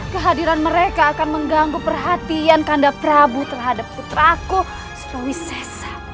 kehadiran mereka akan mengganggu perhatian kandap prabu terhadap puteraku surawisesa